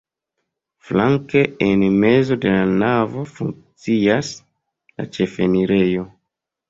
Flanke en mezo de la navo funkcias la ĉefenirejo.